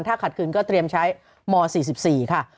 ถ้าขัดคืนก็เตรียมใช้ม๔๔ค่ะ